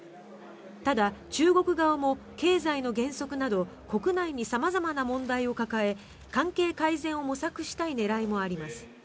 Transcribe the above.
ただ、中国側も経済の減速など国内に様々な問題を抱え関係改善を模索したい狙いもあります。